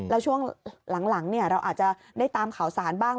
แล้วช่วงหลังเราอาจจะได้ตามข่าวสารบ้าง